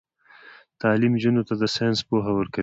تعلیم نجونو ته د ساينس پوهه ورکوي.